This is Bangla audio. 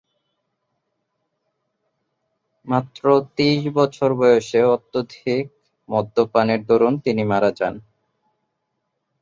মাত্র তেইশ বছর বয়সে অত্যধিক মদ্যপানের দরুন তিনি মারা যান।